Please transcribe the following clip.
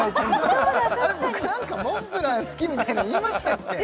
僕何かモンブラン好きみたいの言いましたっけ？